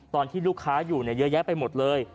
ตอนที่ลูกค้าอยู่เยอะแยะไปหมดเลย